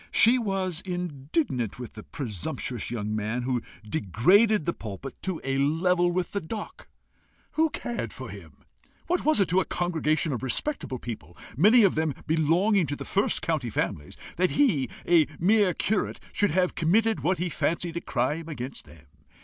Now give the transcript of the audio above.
she was indignant with the presumptuous young man who degraded the pulpit to a level with the dock. Who cared for him? What was it to a congregation of respectable people, many of them belonging to the first county families, that he, a mere curate, should have committed what he fancied a crime against them!